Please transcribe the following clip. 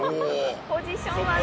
ポジション悪い。